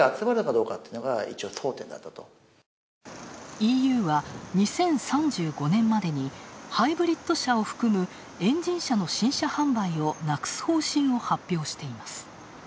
ＥＵは２０３５年までにハイブリッド車を含むエンジン車の新車販売をなくす方針を発表しています。